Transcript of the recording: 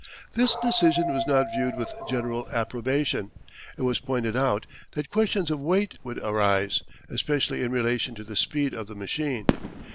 This decision was not viewed with general approbation. It was pointed out that questions of weight would arise, especially in relation to the speed of the machine.